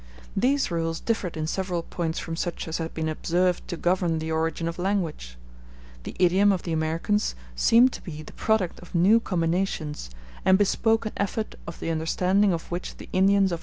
These rules differed in several points from such as had been observed to govern the origin of language. The idiom of the Americans seemed to be the product of new combinations, and bespoke an effort of the understanding of which the Indians of our days would be incapable.